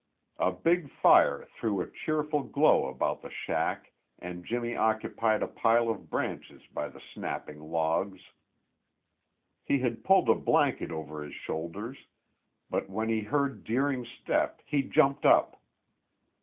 A big fire threw a cheerful glow about the shack and Jimmy occupied a pile of branches by the snapping logs. He had pulled a blanket over his shoulders, but when he heard Deering's step he jumped up.